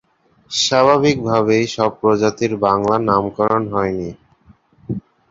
স্বাভাবিকভাবেই সব প্রজাতির বাংলা নামকরণ হয়নি।